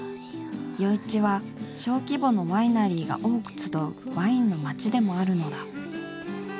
余市は小規模のワイナリーが多く集うワインの町でもあるのだ。